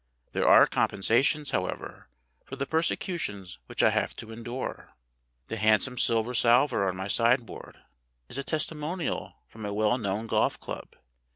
There are compensations, however, for the persecu tions which I have to endure. The handsome silver salver on my sideboard is a testimonial from a well known golf club.